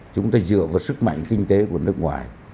chúng ta dựa vào sức mạnh kinh tế của nước ngoài